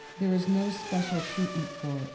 There is no special treatment for it.